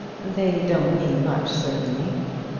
"They don't mean much, certainly."